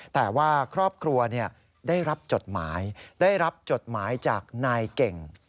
แต่ว่าครอบครัวได้รับจดหมายจากนายเก่ง